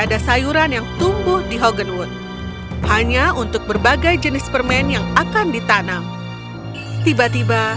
ada sayuran yang tumbuh di hogenwood hanya untuk berbagai jenis permen yang akan ditanam tiba tiba